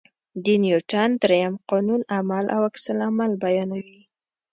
د نیوټن درېیم قانون عمل او عکس العمل بیانوي.